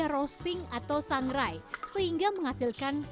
kopi siongkut kementerian pariwisata dan ekonomi kreatif